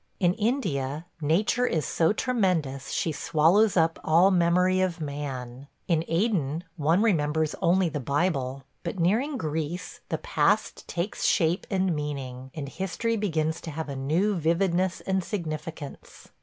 In India nature is so tremendous she swallows up all memory of man; in Aden one remembers only the Bible; but nearing Greece the past takes shape and meaning, and history begins to have a new vividness and significance.